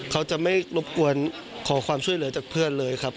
เขาจะไม่รบกวนขอความช่วยเหลือจากเพื่อนเลยครับ